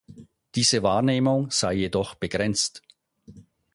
Diese Wahrnehmung sei jedoch begrenzt.